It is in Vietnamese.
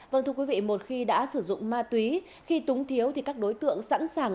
vâng thưa quý vị một khi đã sử dụng ma túy khi túng thiếu thì các đối tượng sẵn sàng